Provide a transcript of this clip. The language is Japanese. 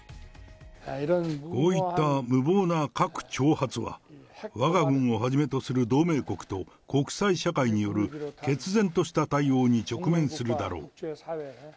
こういった無謀な核挑発は、わが軍をはじめとする同盟国と国際社会による決然とした対応に直面するだろう。